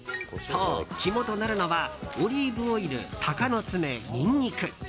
そう、肝となるのはオリーブオイル鷹の爪、ニンニク。